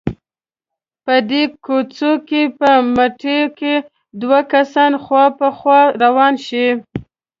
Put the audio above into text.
په دې کوڅو کې په مټې که دوه کسان خوا په خوا روان شي.